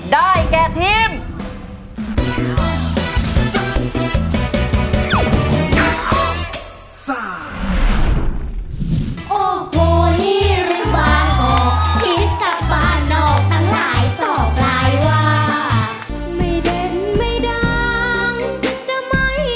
ได้แก่ทีม